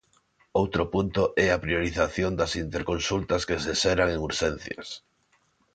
Outro punto é a priorización das interconsultas que se xeran en urxencias.